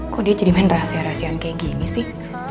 kok dia jadikan rahasia rahasian kayak gini sih